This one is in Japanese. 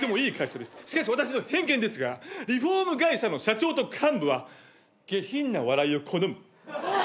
しかし私の偏見ですがリフォーム会社の社長と幹部は下品な笑いを好む。